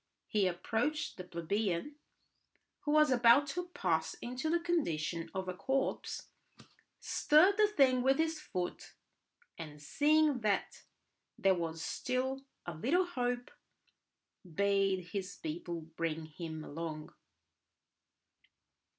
He approached the plebeian who was about to pass into the condition of a corpse, stirred the thing with his foot, and seeing that there was still a little hope, bade his people bring him along.